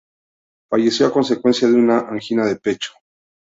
Falleció a consecuencia de una angina de pecho.